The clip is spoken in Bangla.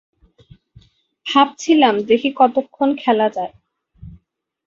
ভাবছিলাম, দেখি কতক্ষণ খেলা যায়।